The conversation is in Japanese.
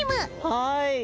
はい。